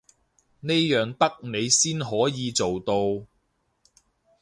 呢樣得你先可以做到